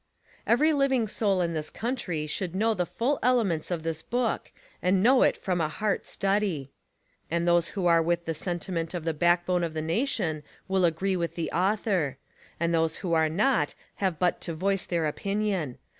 Every living soul in this country should know the full elements of this book and know it from a heart study; and those who are v/ith the sentiment of the backbone of the nation will agree with the author; and those who are not have but to voice their opinion.